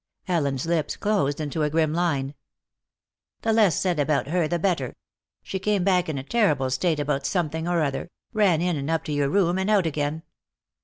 Ellen's lips closed in a grim line. "The less said about her the better. She came back in a terrible state about something or other, ran in and up to your room, and out again.